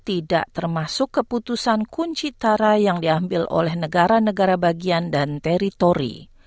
tidak termasuk keputusan kunci tara yang diambil oleh negara negara bagian dan teritori